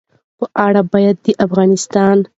په اړه باید د افغانستان